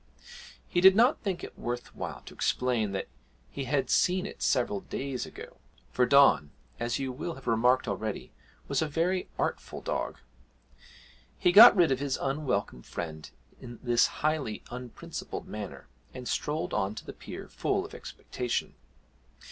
He did not think it worth while to explain that he had seen it several days ago, for Don, as you will have remarked already, was a very artful dog. He got rid of his unwelcome friend in this highly unprincipled manner, and strolled on to the pier full of expectation.